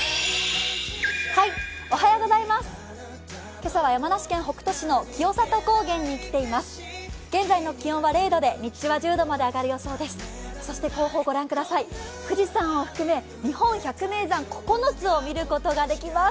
今朝は山梨県北杜市の清里高原に来ています。